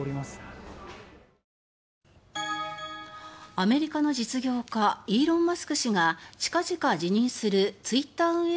アメリカの実業家イーロン・マスク氏が近々辞任するツイッター運営